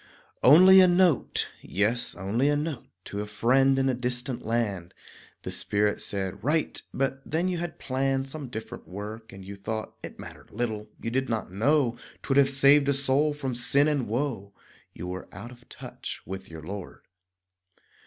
Only a note, yes, only a note To a friend in a distant land. The Spirit said "Write," but then you had planned Some different work, and you thought It mattered little. You did not know 'Twould have saved a soul from sin and woe; You were "out of touch" with your Lord.